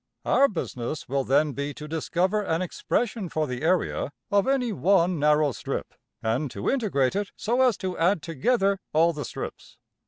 Our business will then be to discover an expression for the area of any one narrow strip, and to integrate it so as to add together all the strips.